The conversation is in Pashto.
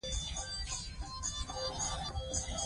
که تاسو د فعالیت څخه خوند نه واخلئ، ګټه نه لري.